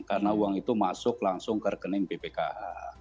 karena uang itu masuk langsung ke rekening bpkh